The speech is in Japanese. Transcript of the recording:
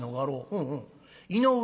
うんうん井上